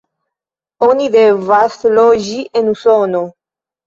Oni devas loĝi en Usono.